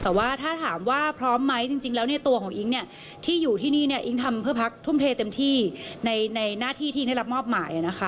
แต่ว่าถ้าถามว่าพร้อมไหมจริงแล้วเนี่ยตัวของอิ๊งเนี่ยที่อยู่ที่นี่เนี่ยอิ๊งทำเพื่อพักทุ่มเทเต็มที่ในหน้าที่ที่ได้รับมอบหมายนะคะ